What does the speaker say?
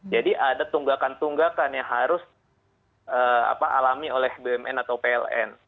jadi ada tunggakan tunggakan yang harus alami oleh bpn atau pln